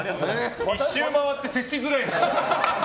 一周回って接しづらいです。